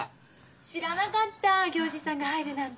知らなかった行司さんが入るなんて。